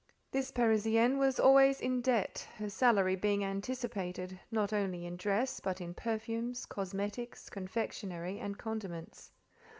This Parisienne was always in debt; her salary being anticipated, not only in dress, but in perfumes, cosmetics, confectionery, and condiments.